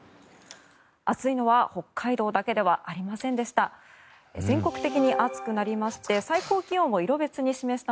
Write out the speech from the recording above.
暑いのは北海道だけではありませんでした。